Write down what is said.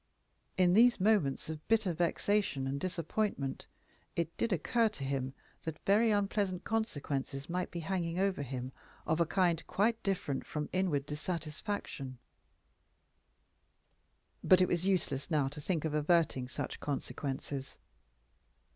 In these moments of bitter vexation and disappointment, it did occur to him that very unpleasant consequences might be hanging over him of a kind quite different from inward dissatisfaction; but it was useless now to think of averting such consequences.